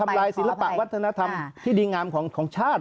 ลายศิลปะวัฒนธรรมที่ดีงามของชาติ